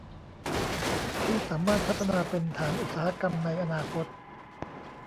ที่สามารถพัฒนาเป็นฐานอุตสาหกรรมในอนาคต